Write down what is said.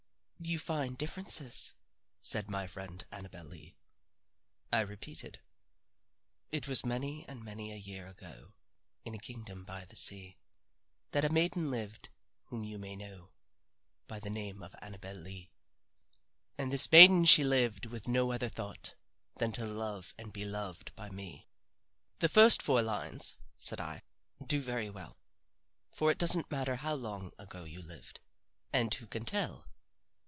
"You find differences," said my friend Annabel Lee. I repeated: "'It was many and many a year ago, In a kingdom by the sea, That a maiden there lived whom you may know By the name of Annabel Lee. And this maiden she lived with no other thought Than to love and be loved by me.' The first four lines," said I, "do very well, for it doesn't matter how long ago you lived and who can tell?